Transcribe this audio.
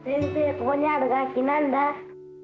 ここにある楽器何だ？